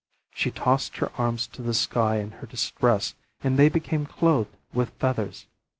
She tossed her arms to the sky in her distress and they became clothed with feathers.